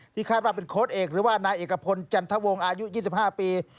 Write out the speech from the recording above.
คาดว่าเป็นโค้ดเอกหรือว่านายเอกพลจันทวงศ์อายุ๒๕ปี